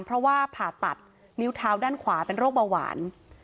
เพราะว่าผ่าตัดนิ้วเท้าด้านขวาเป็นโรคเบาหวาน